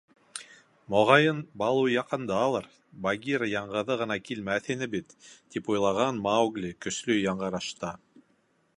«Моғайын, Балу яҡындалыр, Багира яңғыҙы ғына килмәҫ ине бит», — тип уйлаған Маугли көслө яңғырашта: